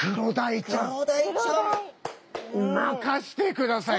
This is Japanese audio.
任してください。